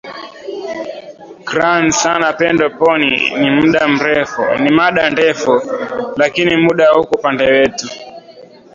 kran sana pendo ponny ni mada ndefu lakini muda hauko upande wetu